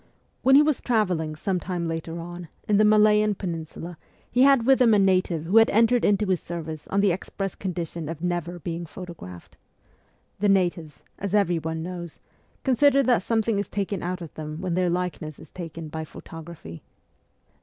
When he was travelling some time later on in the Malayan peninsula he had with him a native who had entered into his service on the express condition of never being photographed. The natives, as everyone knows, consider that something is taken out of them when their likeness is taken by photography.